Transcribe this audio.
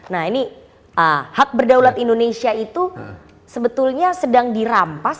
nah ini hak berdaulat indonesia itu sebetulnya sedang dirampas